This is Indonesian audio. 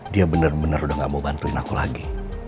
dia bener bener udah gak mau bantuin aku lagi